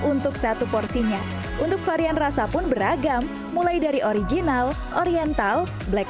untuk satu porsinya untuk varian rasa pun beragam mulai dari original oriental black